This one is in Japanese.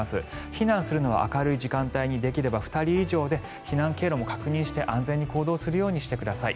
避難するのは明るい時間帯にできれば２人以上で避難経路も確認して、安全に行動するようにしてください。